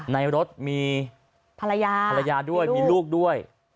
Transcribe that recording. ในรถมีภรรยาด้วยมีลูกด้วย